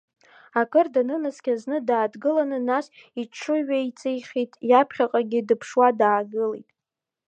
Акыр данынаскьа зны дааҭтыланы, нас иҽыҩеиҵихит, иаԥхьаҟагьы дыԥшуа даагылеит.